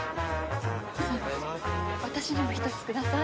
私にも１つください。